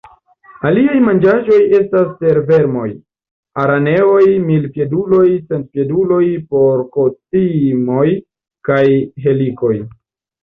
Aliaj manĝaĵoj estas tervermoj, araneoj, milpieduloj, centpieduloj, porkocimoj kaj helikoj.